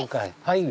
はい。